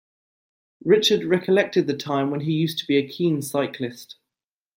Richard recollected the time when he used to be a keen cyclist.